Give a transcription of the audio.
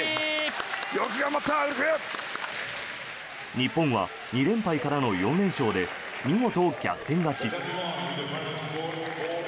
日本は２連敗からの４連勝で見事、逆転勝ち。